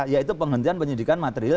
yaitu penghentian penyidikan material